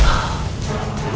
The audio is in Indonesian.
saya tidak akan menangkap ayahmu